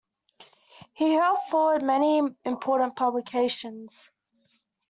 He helped forward many important publications.